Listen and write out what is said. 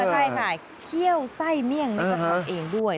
ใช่ค่ะเคี่ยวไส้เมี่ยงนี่ก็ทำเองด้วย